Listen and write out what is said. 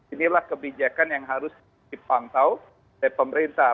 inilah kebijakan yang harus dipangtau dari pemerintah